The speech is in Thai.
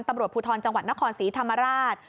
ตำรวจภูทรจังหวัดนครศรีธรรมราช